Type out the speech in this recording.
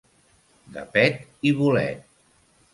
De pet i bolet.